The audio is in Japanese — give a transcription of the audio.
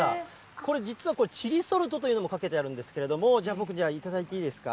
これ、実はチリソルトというのもかけてあるんですけれども、じゃあ、僕、頂いていいですか？